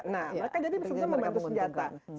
nah mereka jadi bisa membantu senjata